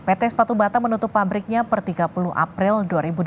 pt sepatu bata menutup pabriknya per tiga puluh april dua ribu dua puluh